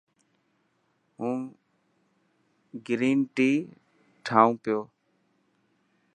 هون گرين ٽي ٺاهيون پيو.